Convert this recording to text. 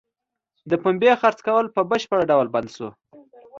د پنبې څرخ کول په بشپړه ډول بند شو.